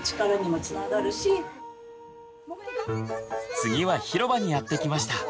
次は広場にやって来ました。